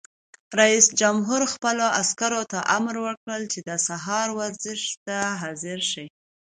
رئیس جمهور خپلو عسکرو ته امر وکړ؛ د سهار ورزش ته حاضر شئ!